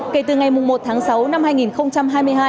kể từ ngày một tháng sáu năm hai nghìn hai mươi hai